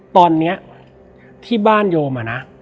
ตอนนี้ที่บ้านโยมอะนะ